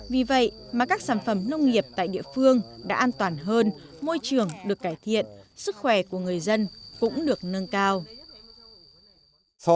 vì vậy mà các sản phẩm nông nghiệp tại địa phương đã an toàn hơn môi trường được cải thiện sức khỏe của người dân cũng được nâng cao